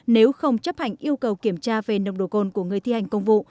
nếu không chấp hành yêu cầu kiểm tra về nồng độ cồn của người thi hành công vụ